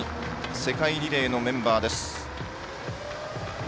世界リレーのメンバーです。